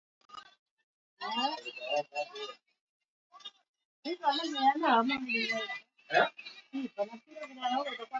Wamasai hupenda kuichukua kama dawa na inajulikana kuwafanya jasiri wenye nguvu na washindani